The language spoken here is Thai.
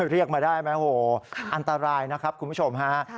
เรียกมาได้ไหมโหอันตรายนะครับคุณผู้ชมฮะ